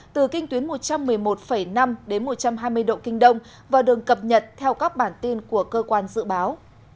từ kinh tuyến một trăm một mươi một năm đến một trăm hai mươi độ kinh đông và đường cập nhật theo các bản tin của cơ quan dự báo